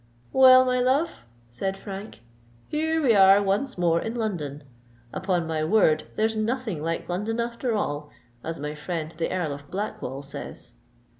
"Well, my love," said Frank, "here we are once more in London. Upon my word, there's nothing like London after all—as my friend the Earl of Blackwall says."